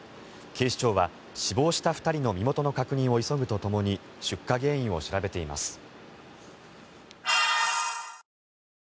警視庁は死亡した２人の身元の確認を急ぐとともに出火原因を調べています。